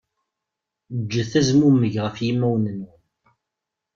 Ǧǧet azmummeg ɣef yimawen-nwen.